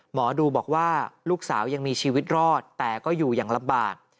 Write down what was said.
หมอดูบอกว่าลูกสาวยังมีชีวิตรอดแต่ก็อยู่อย่างลำบาก